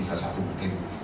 ini salah satu mungkin